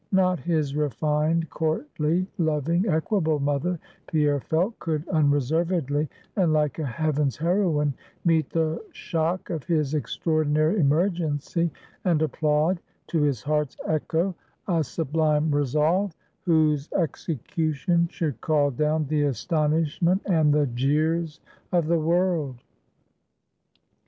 Not his refined, courtly, loving, equable mother, Pierre felt, could unreservedly, and like a heaven's heroine, meet the shock of his extraordinary emergency, and applaud, to his heart's echo, a sublime resolve, whose execution should call down the astonishment and the jeers of the world.